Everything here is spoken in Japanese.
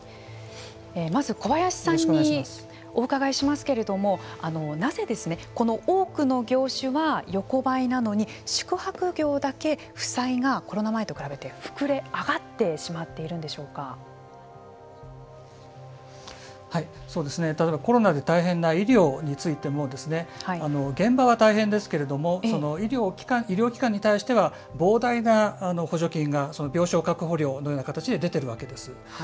まず、小林さんにお伺いしますけれどもなぜこの多くの業種は横ばいなのに宿泊業だけ負債がコロナ前と比べて膨れ上がってしまって例えばコロナで大変な医療についても現場は大変ですけれども医療機関に対しては膨大な補助金が病床確保料のような形で出ているわけです。